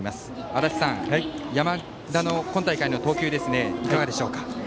足達さん、山田の今大会の投球いかがでしょうか。